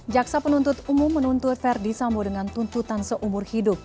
jaksa penuntut umum menuntut verdi sambo dengan tuntutan seumur hidup